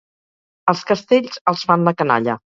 Els castells els fan la canalla.